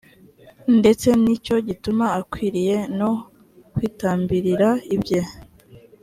ndetse ni cyo gituma akwiriye no kwitambirira ibye